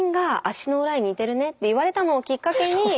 って言われたのをきっかけにそれを。